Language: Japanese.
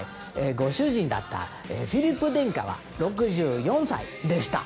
ご主人だったフィリップ殿下は６４歳でした。